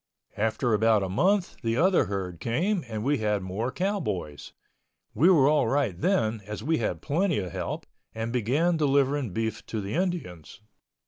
After about a month the other herd came and we had more cowboys. We were all right then as we had plenty of help, and began delivering beef to the Indians.